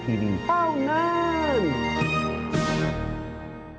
เต้องาน